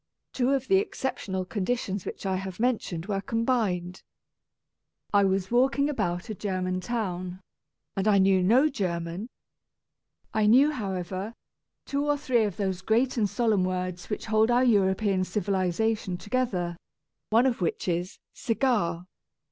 Two of the exceptional conditions which I have mentioned were combined. I was walking about a German town, and I knew no German. I knew, however, two or three of those great and solemn words which hold our European civilization to gether — one of which is "cigar."